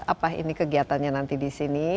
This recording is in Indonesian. apa ini kegiatannya nanti disini